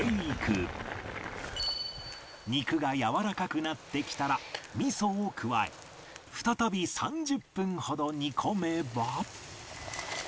肉がやわらかくなってきたら味噌を加え再び３０分ほど煮込めば